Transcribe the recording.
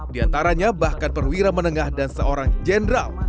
di antaranya bahkan perwira menengah dan seorang jenderal